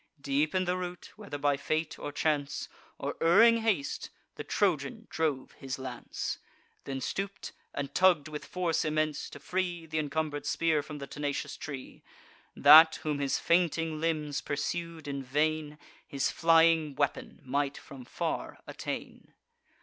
Deep in the root, whether by fate, or chance, Or erring haste, the Trojan drove his lance; Then stoop'd, and tugg'd with force immense, to free Th' incumber'd spear from the tenacious tree; That, whom his fainting limbs pursued in vain, His flying weapon might from far attain.